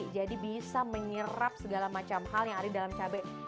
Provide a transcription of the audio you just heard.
jadi bisa menyerap segala macam hal yang ada di dalam cabai